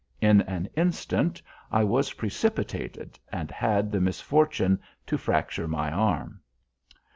In an instant I was precipitated, and had the misfortune to fracture my arm.